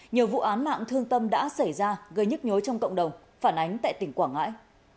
nhiều vụ án mạng thương tâm đã xảy ra gây nhức nhối trong cộng đồng phản ánh tại tỉnh quảng ngãi